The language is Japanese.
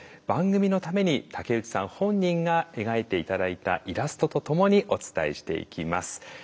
番組のために竹内さん本人が描いて頂いたイラストとともにお伝えしていきます。